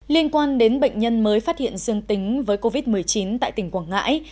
liên quan đến bệnh nhân mới phát hiện dương tính với covid một mươi chín tại tỉnh quảng ngãi